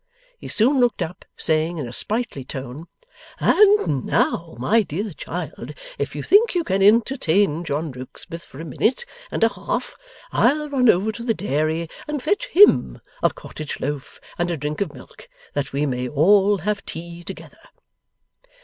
He soon looked up, saying in a sprightly tone: 'And now, my dear child, if you think you can entertain John Rokesmith for a minute and a half, I'll run over to the Dairy, and fetch HIM a cottage loaf and a drink of milk, that we may all have tea together.